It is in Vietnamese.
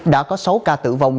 đã có sáu ca tử vong